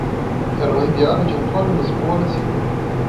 Era um enviado de Antônio Lisboa da Silva.